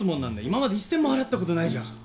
今まで一銭も払ったことないじゃん。